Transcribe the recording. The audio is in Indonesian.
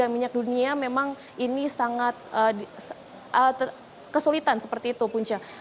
harga minyak dunia memang ini sangat kesulitan seperti itu punca